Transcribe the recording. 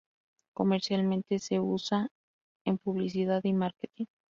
Comercialmente, se usan en publicidad y márketing.